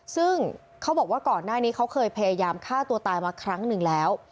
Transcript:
ซึ่งเขาบอกว่าก่อนหน้านี้เขาเคยพยายามฆ่าตัวตายมาครั้งหนึ่งแล้ว